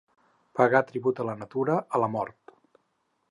Pagar tribut a la natura, a la mort.